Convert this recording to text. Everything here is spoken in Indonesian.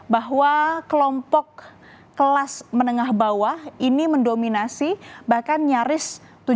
bahwa kelompok kelas menengah bawah ini mendominasi bahkan nyaris